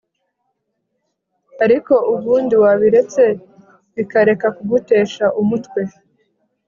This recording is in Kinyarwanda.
Ariko ubundi wabiretse bikareka kugutesha umutwe